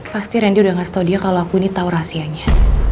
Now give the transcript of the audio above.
pasti randy udah ngasih tau dia kalo aku ini tau rahasianya